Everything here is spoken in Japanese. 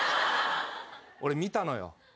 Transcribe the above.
俺見たのよ。